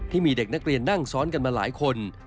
ที่มีเด็กนักเรียนนั่งซ้อนกันมาหลายคน